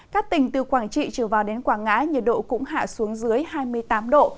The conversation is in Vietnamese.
các tỉnh từ quảng trị trở vào đến quảng ngãi nhiệt độ cũng hạ xuống dưới hai mươi tám độ